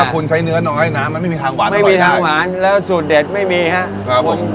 คุณใช้เนื้อน้อยนะมันไม่มีทางหวานไม่มีทางหวานแล้วสูตรเด็ดไม่มีครับผม